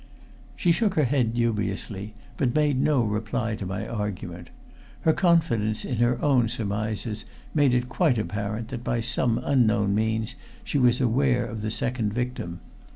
She shook her head dubiously, but made no reply to my argument. Her confidence in her own surmises made it quite apparent that by some unknown means she was aware of the second victim.